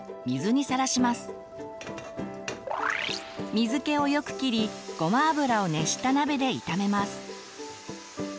水けをよくきりごま油を熱した鍋で炒めます。